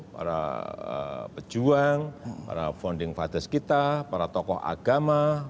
para pejuang para founding fathers kita para tokoh agama